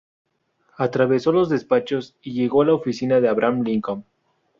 Atravesó los despachos y llegó a la oficina de Abraham Lincoln.